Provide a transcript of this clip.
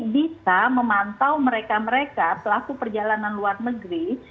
bisa memantau mereka mereka pelaku perjalanan luar negeri